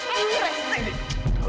eh ini resistanya